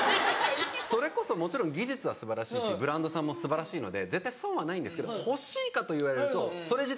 それこそもちろん技術は素晴らしいしブランドさんも素晴らしいので絶対損はないんですけど欲しいかと言われるとそれ自体は欲しくない。